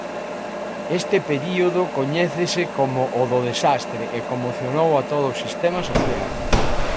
Este período coñécese como o do ""desastre"" e conmocionou a todo o sistema social.